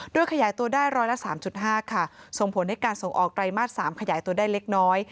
โดยขยายตัวได้ร้อยละ๓๕ค่ะส่งผลให้การส่งออกไตรมาส๓ขยายตัวได้เล็กน้อย